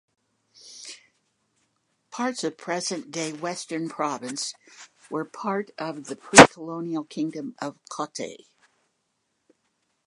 Parts of present-day Western Province were part of the pre-colonial Kingdom of Kotte.